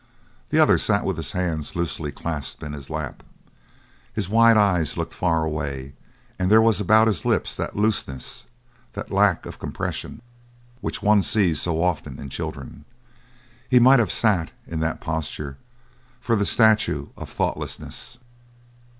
The other sat with his hands loosely clasped in his lap. His wide eyes looked far away, and there was about his lips that looseness, that lack of compression, which one sees so often in children. He might have sat, in that posture, for the statue of thoughtlessness.